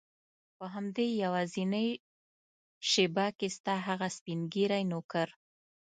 په همدې یوازینۍ شېبه کې ستا هغه سپین ږیری نوکر.